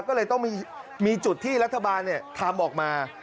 ก็เลยต้องมีจุดที่รัฐบาลทำออกมา